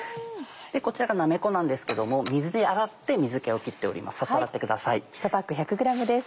こちらがなめこなんですけども水で洗って水気を切っております